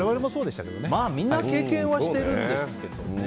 みんな経験はしてますけどね。